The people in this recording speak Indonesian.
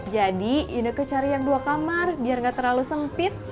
jadi ineke cari yang dua kamar biar gak terlalu sempit